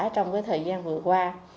trong thời gian vừa qua